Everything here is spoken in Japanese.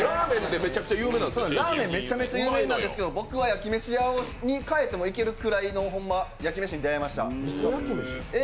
ラーメンめちゃめちゃ有名なんですけど、僕は焼きめし屋に変えてもいいぐらいのホンマ、焼き飯に出会いましたＡぇ！